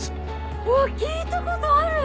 うわっ聞いたことある！